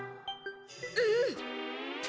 うん。